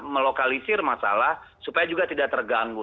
melokalisir masalah supaya juga tidak terganggu